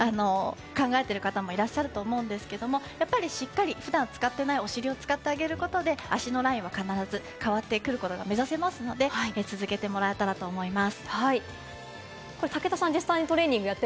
脚のラインってなかなか変わらないって考えてる方、いらっしゃると思いますけれども、しっかり普段使ってないお尻を使ってあげることで脚のラインは必ず変わってくることが目指せますので続けてもらったらと思います。